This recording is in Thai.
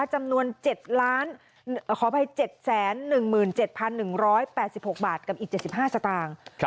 จำนวน๗๑๑๗๑๘๖บาทกับอีก๗๕สตางค์